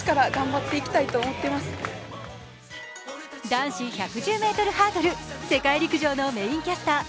男子１１０ｍハードル世界陸上のメインキャスター